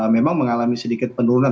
memang mengalami sedikit penurunan